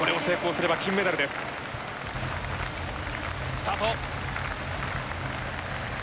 スタート。